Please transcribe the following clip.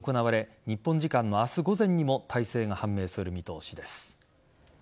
投開票は３０日に行われ日本時間の明日午前にも大勢が判明する見通しです。